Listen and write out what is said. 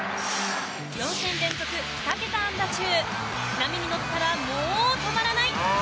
４戦連続２桁安打中波に乗ったらモー止まらない。